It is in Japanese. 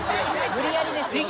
無理やりですよそれは。